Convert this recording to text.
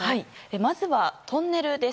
まずはトンネルです。